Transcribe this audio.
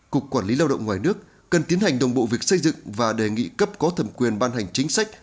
cục quản lý lao động ngoài nước cần tiến hành đồng bộ việc xây dựng và đề nghị cấp có thẩm quyền ban hành chính sách